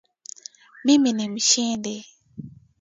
Mimi ni mshindi.